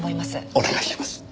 お願いします。